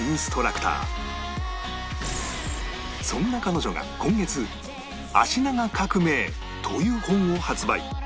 そんな彼女が今月『脚長革命』という本を発売